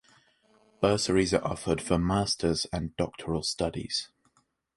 Bursaries are offered for Master's and doctoral studies.